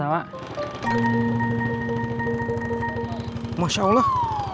uangnya udah sama mas